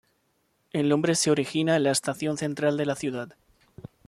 El nombre se origina en la Estación Central de la ciudad.